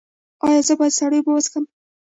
ایا زه باید سړې اوبه وڅښم؟